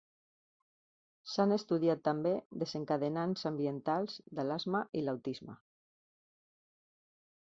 S'han estudiat també desencadenants ambientals de l'asma i l'autisme.